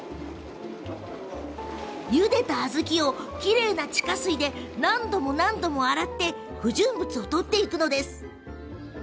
ゆでた小豆をきれいな地下水で何度も何度も洗って不純物を取るんです。